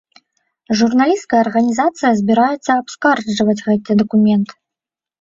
Журналісцкая арганізацыя збіраецца абскарджваць гэты дакумент.